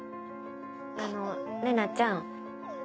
あの玲奈ちゃん。